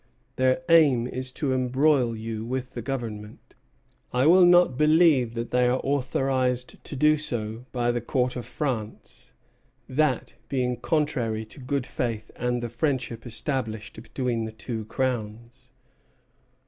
Their aim is to embroil you with the Government. I will not believe that they are authorized to do so by the Court of France, that being contrary to good faith and the friendship established between the two Crowns."